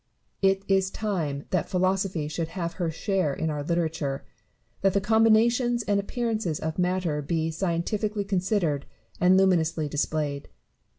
It is time that Philosophy should have her share in our literature ; that the combinations and appearances of matter be scientifically considered and luminously displayed.